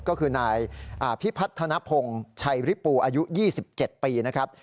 ก็คือนายพิพัฒนภงชัยริปูอายุ๒๗ปีนะครับ